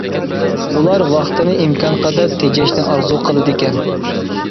ئۇلار ۋاقىتنى ئىمكانقەدەر تېجەشنى ئارزۇ قىلىدىكەن.